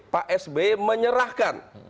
pak sbe menyerahkan